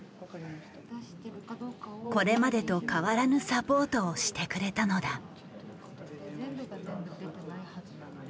これまでと変わらぬサポートをしてくれたのだ。